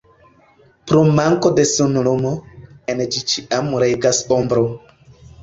Pro manko de sunlumo, en ĝi ĉiam regas ombro.